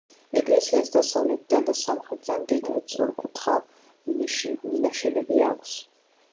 ეკლესიას დასავლეთიდან და სამხრეთიდან გეგმით სწორკუთხა მინაშენები აქვს.